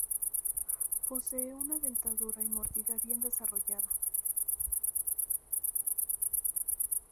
Posee una dentadura y mordida bien desarrolladas.